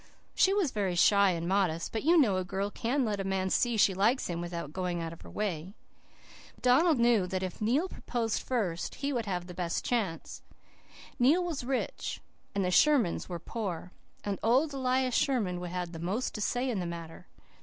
She was very shy and modest, but you know a girl can let a man see she likes him without going out of her way. But Donald knew that if Neil proposed first he would have the best chance. Neil was rich and the Shermans were poor, and old Elias Sherman would have the most to say in the matter.